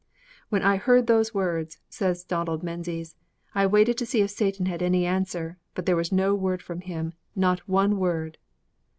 _' 'When I heard those words,' says Donald Menzies, '_I waited to see if Satan had any answer, but there was no word from him, not one word!